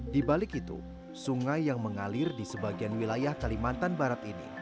di balik itu sungai yang mengalir di sebagian wilayah kalimantan barat ini